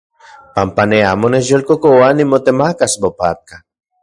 Panpa ne amo nechyolkokoa nimotemakas mopatka.